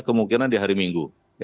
kemungkinan di hari minggu